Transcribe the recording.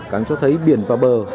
càng cho thấy biển và bờ